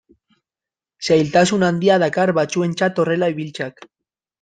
Zailtasun handia dakar batzuentzat horrela ibiltzeak.